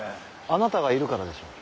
あなたがいるからでしょう。